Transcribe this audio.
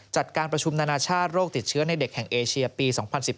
จัดการประชุมนานาชาติโรคติดเชื้อในเด็กแห่งเอเชียปี๒๐๑๘